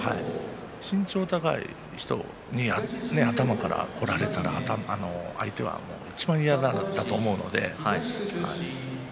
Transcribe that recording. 身長が高い人に頭からこられたら相手はいちばん嫌がると思うので。